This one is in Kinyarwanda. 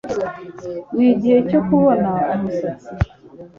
Nigihe cyo kubona umusatsi